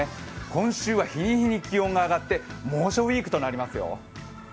今週は日に日に気温が上がって猛暑ウイークとなりますよ。